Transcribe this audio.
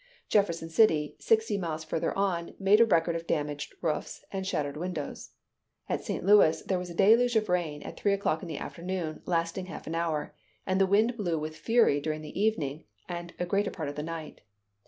Jefferson City, sixty miles further on, made a record of damaged roofs and shattered windows. At St. Louis, there was a deluge of rain at three o'clock in the afternoon, lasting a half hour; and the wind blew with fury during the evening and greater part of the night.